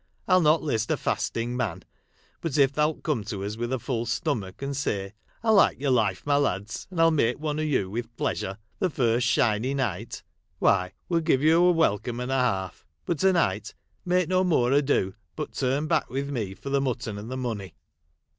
I '11 not list a fasting man ; but if thou 'It come to us with a full stomach, and say, ' I like your life, my lads, and I '11 make one of you with pleasure, the first shiny night,' why, we '11 give you a welcome and a half ; but, to night, make no more ado but turn back with me for the mutton and the money."